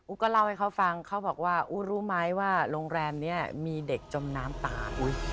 ก็เล่าให้เขาฟังเขาบอกว่าอู้รู้ไหมว่าโรงแรมนี้มีเด็กจมน้ำตาย